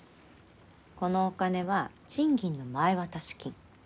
このお金は賃金の前渡し金。